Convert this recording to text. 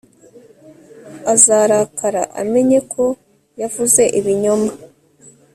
Azarakara amenye ko yavuze ibinyoma